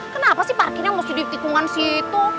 kenapa sih parkirnya masih ditikungan situ